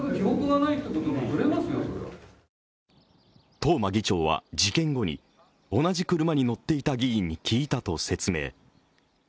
東間議長は、事件後に同じ車に乗っていた議員に聞いたと説明。